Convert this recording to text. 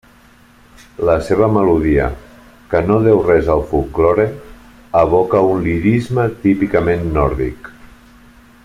La seva melodia, que no deu res al folklore, evoca un lirisme típicament nòrdic.